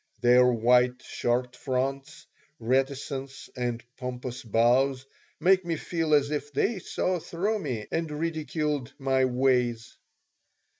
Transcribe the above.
Their white shirt fronts, reticence, and pompous bows make me feel as if they saw through me and ridiculed my ways.